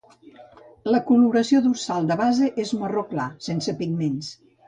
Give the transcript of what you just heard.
La coloració dorsal de base és marró clar, sense pigments.